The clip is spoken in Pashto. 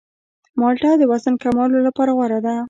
مالټه د وزن کمولو لپاره غوره ده.